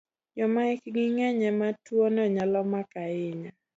Joma hikgi ng'eny e ma tuwono nyalo mako ahinya.